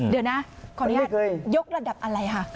เดี๋ยวนะขออนุญาตยกระดับอะไรค่ะ